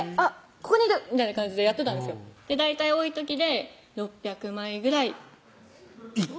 ここにいる」みたいな感じでやってたんですよ大体多い時で６００枚ぐらい１回？